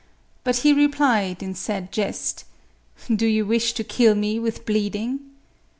But he replied, in sad jest, " Do you wish to kill me with bleeding